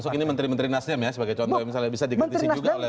kalau masuk ini menteri menteri nasdem ya sebagai contoh yang bisa diketik juga oleh